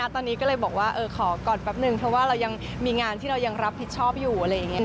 ตอนนี้ก็เลยบอกว่าขอก่อนแป๊บนึงเพราะว่าเรายังมีงานที่เรายังรับผิดชอบอยู่อะไรอย่างนี้